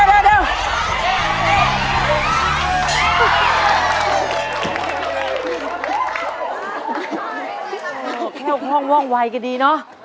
แค่ที่ห้องว่องวายก็ดีเนอะ